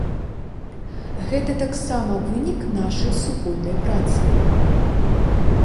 Гэта таксама вынік нашай супольнай працы.